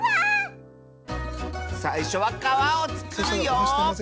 さいしょはかわをつくるよ！